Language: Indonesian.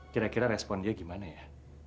kira kira respon dia gimana ya